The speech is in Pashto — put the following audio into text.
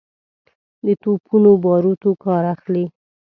د توپونو باروتو کار اخلي.